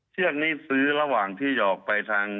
เชือกนี้ซื้อระหว่างที่จะออกไปทาง